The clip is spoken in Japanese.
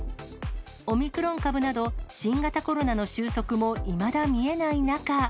オミクロン株など、新型コロナの収束もいまだ見えない中。